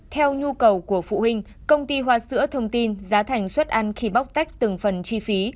theo nhu cầu của phụ huynh công ty hoa sữa thông tin giá thành suất ăn khi bóc tách từng phần chi phí